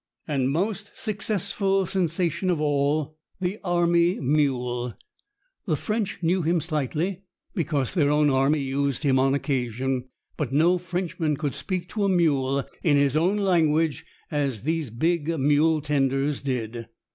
And most successful sensation of all, the army mule. The French knew him slightly, because their own army used him on occasion. But no Frenchman could speak to a mule in his own language as these big mule tenders did.